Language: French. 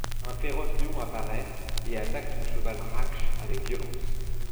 Un féroce lion apparaît, et attaque son cheval Rakhsh avec violence.